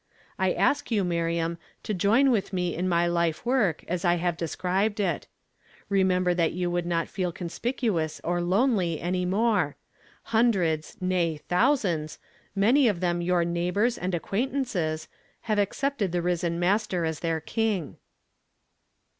I ask you, Miriam, to join with me in my life work as I have described it. Remember that you would not feel conspicuous or lonely any more; hundreds, nay, thousands, many of them your neighbors and ac quaintances, have accepted the lisen Master as their King."